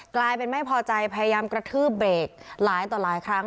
กลายเป็นไม่พอใจพยายามกระทืบเบรกหลายต่อหลายครั้ง